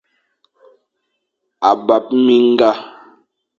A bap minga.